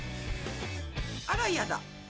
あらやだ。